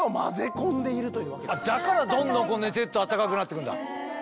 だからどんどん寝てると暖かくなってくるんだ。